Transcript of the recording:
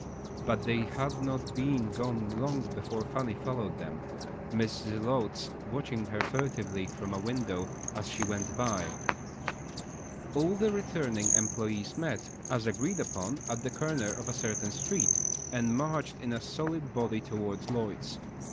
But they had not been gone long before Fanny followed them, Mrs. Zelotes watching her furtively from a window as she went by. All the returning employés met, as agreed upon, at the corner of a certain street, and marched in a solid body towards Lloyd's.